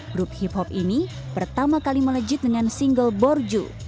grup hip hop ini pertama kali melejit dengan single borju